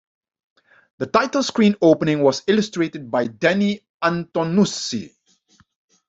The title screen opening was illustrated by Danny Antonucci.